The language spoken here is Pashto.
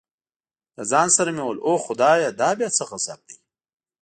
له ځان سره مې وویل اوه خدایه دا بیا څه غضب دی.